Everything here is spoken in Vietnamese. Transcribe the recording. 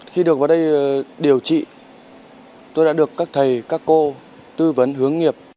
khi được vào đây điều trị tôi đã được các thầy các cô tư vấn hướng nghiệp